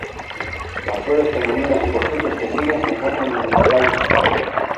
Las flores femeninas y los frutos que siguen se encuentran en espirales distintas.